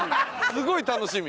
すごい楽しみ。